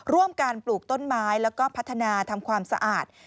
ร่วมการปลูกต้นไม้แล้วก็พัฒนาทำความสะอาด